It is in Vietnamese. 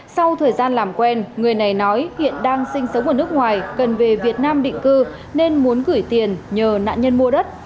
sau thời gian làm quen người này nói hiện đang sinh sống ở nước ngoài cần về việt nam định cư nên muốn gửi tiền nhờ nạn nhân mua đất